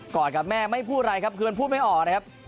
กอดกับแม่ไม่พูดอะไรเควรพูดไม่อ่อนะครับ